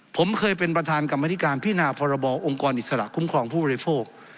ผมเคยเป็นประธานกรรมธิการพินาพรบองค์กรอิสระคุ้มครองผู้บริโภค